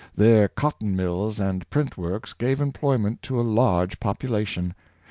Their cotton mills and print works gave employment to a large population.